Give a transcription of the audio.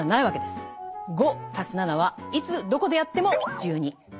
５＋７はいつどこでやっても１２。